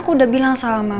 ya dari apa